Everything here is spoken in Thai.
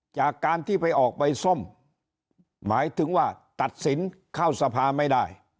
จากการที่ไปออกใบส้มหมายถึงว่าตัดสินเข้าสภาไม่ได้